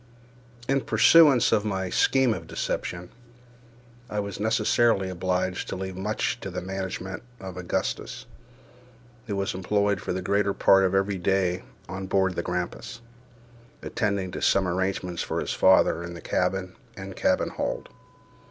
In pursuance of my scheme of deception, I was necessarily obliged to leave much to the management of Augustus, who was employed for the greater part of every day on board the Grampus, attending to some arrangements for his father in the cabin and cabin hold.